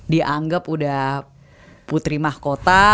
dianggap udah putri mahkota